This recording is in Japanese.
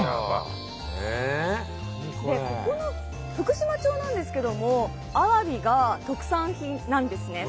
ここの福島町なんですけどもアワビが特産品なんですね。